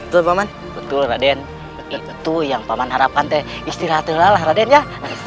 dulu juga kalau akhirnya